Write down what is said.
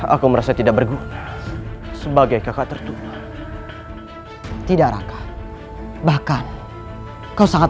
aku merasa tidak berguna sebagai kakak tertua tidak rangka bahkan kau sangat